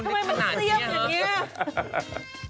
ทำไมมันเสี้ยมแบบนี้